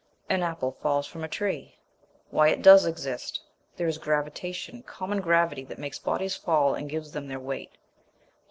An apple falls from a tree. Why, it does exist! There is gravitation, common gravity that makes bodies fall and gives them their weight.